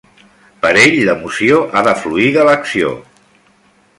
Per ell l'emoció ha de fluir de l'acció.